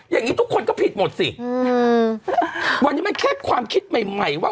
อย่างนี้ทุกคนก็ผิดหมดสิอืมวันนี้มันแค่ความคิดใหม่ใหม่ว่า